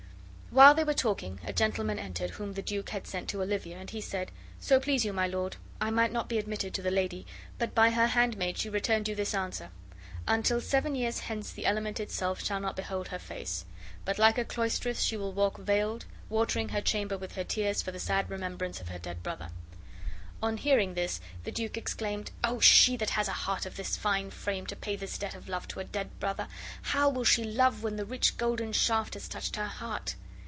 While they were talking, a gentleman entered whom the duke had sent to Olivia, and he said, "So please you, my lord, I might not be admitted to the lady, but by her handmaid she returned you this answer: Until seven years hence the element itself shall not behold her face; but like a cloistress she will walk veiled, watering her chamber with her tears for the sad remembrance of her dead brother." On hearing this the duke exclaimed, "Oh, she that has a heart of this fine frame, to pay this debt of love to a dead brother, how will she love when the rich golden shaft has touched her heart!"